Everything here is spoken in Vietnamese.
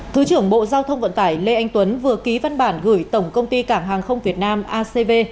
thứ trưởng bộ giao thông vận tải lê anh tuấn vừa ký văn bản gửi tổng công ty cảng hàng không việt nam acv